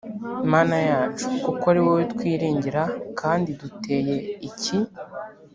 mana yacu kuko ari wowe twiringira kandi duteye iki